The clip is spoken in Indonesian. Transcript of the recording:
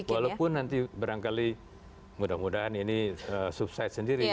walaupun nanti berangkali mudah mudahan ini subsite sendiri